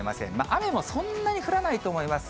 雨もそんなに降らないと思います。